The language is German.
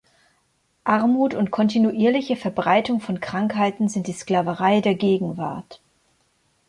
Armut und kontinuierliche Verbreitung von Krankheiten sind die Sklaverei der Gegenwart.